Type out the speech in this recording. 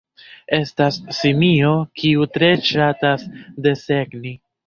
Estas simio kiu tre ŝatas desegni.